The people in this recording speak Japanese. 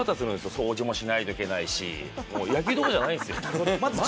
掃除もしないといけないし野球どころじゃないんですよ。